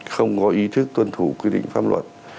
không có ý thức tuân thủ quy định pháp luật